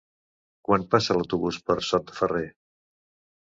Quan passa l'autobús per Sot de Ferrer?